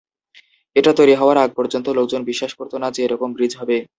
এটা তৈরি হওয়ার আগ পর্যন্ত লোকজন বিশ্বাস করত না যে এরকম ব্রিজ হবে।